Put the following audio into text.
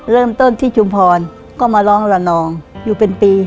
เริ่มต้นที่ชุมพรก็มาร้องละนองอยู่เป็นปี